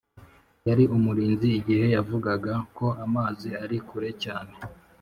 yari umurinzi igihe yavugaga ko amazi ari kure cyane.